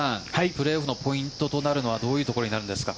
プレーオフのポイントとなるのはどういうところになるんですか。